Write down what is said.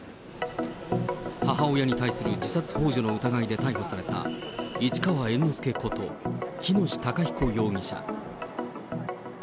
母親に対する自殺ほう助の疑いで逮捕された、市川猿之助こと喜熨斗孝彦容疑者。